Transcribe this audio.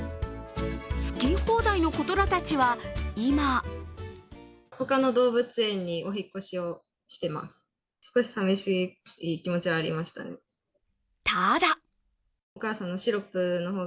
好き放題の子虎たちは、今ただ！